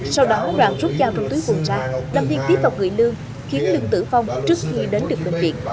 sau đó đoàn rút dao trong túi quần ra đâm liên tiếp vào người lương khiến lương tử vong trước khi đến được đồng viện